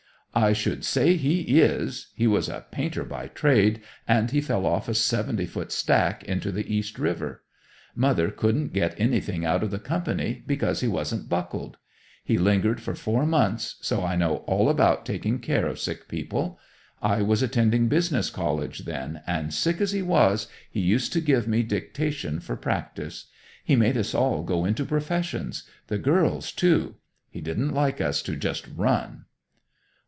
"I should say he is! He was a painter by trade, and he fell off a seventy foot stack into the East River. Mother couldn't get anything out of the company, because he wasn't buckled. He lingered for four months, so I know all about taking care of sick people. I was attending business college then, and sick as he was, he used to give me dictation for practise. He made us all go into professions; the girls, too. He didn't like us to just run."